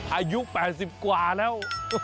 อายุ๘๐กว่าแล้ว